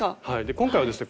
今回はですね